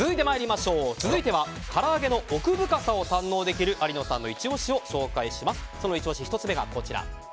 続いてはから揚げの奥深さを堪能できる有野さんのイチ押しを紹介します。